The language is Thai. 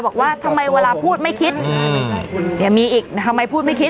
บอกว่าทำไมเวลาพูดไม่คิดเดี๋ยวมีอีกทำไมพูดไม่คิด